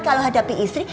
kalau hadapi istri